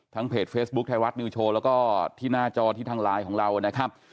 เพจเฟซบุ๊คไทยรัฐนิวโชว์แล้วก็ที่หน้าจอที่ทางไลน์ของเรานะครับ